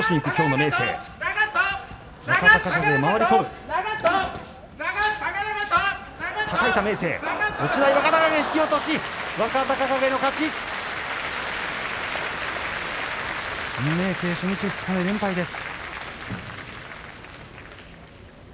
明生は、初日、二日目の連敗です。